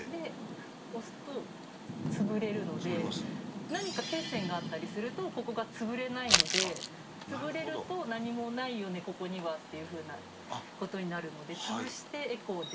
押すと潰れるので、何か血栓があったりすると、ここが潰れないので、潰れると何もないよね、ここにはっていうふうなことになるので、潰してエコーで。